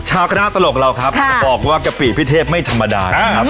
คณะตลกเราครับบอกว่ากะปิพี่เทพไม่ธรรมดานะครับ